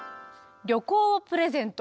「旅行をプレゼント」！